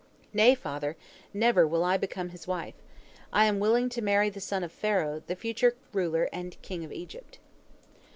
Nay, father, never will I become his wife. I am willing to marry the son of Pharaoh, the future ruler and king of Egypt."